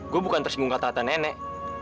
gue bukan tersinggung kata nenek